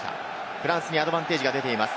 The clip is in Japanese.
フランスにアドバンテージが出ています。